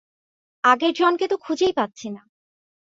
আগের জনকে তো খুঁজেই পাচ্ছিনা।